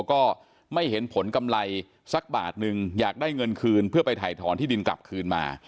ก็ไม่เห็นผลกำไรสักบาทนึงอยากได้เงินคืนเพื่อไปถ่ายถอนที่ดินกลับคืนมา